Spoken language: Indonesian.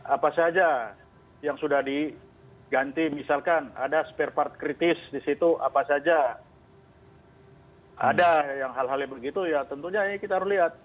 apa saja yang sudah diganti misalkan ada spare part kritis di situ apa saja ada hal hal yang begitu ya tentunya ini kita harus lihat